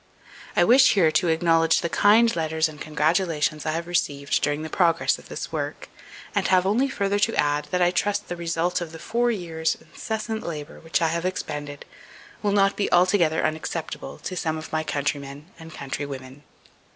I wish here to acknowledge the kind letters and congratulations I have received during the progress of this work, and have only further to add, that I trust the result of the four years' incessant labour which I have expended will not be altogether unacceptable to some of my countrymen and countrywomen.